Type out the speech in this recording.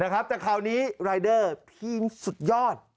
แต่คราวนี้รายเดอร์ทีมสุดยอด